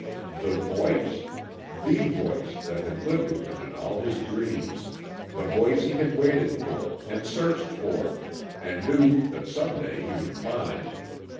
The VOICE! THE voice that had lived with him in all his dreams, the voice he had waited for, and searched for, and knew that some day he would find.